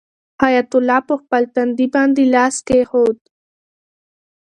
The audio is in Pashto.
حیات الله په خپل تندي باندې لاس کېښود.